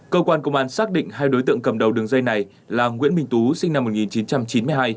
cơ quan công an xác định hai đối tượng cầm đầu đường dây này là nguyễn minh tú sinh năm một nghìn chín trăm chín mươi hai